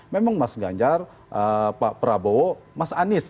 memang mas ganjar pak prabowo mas anies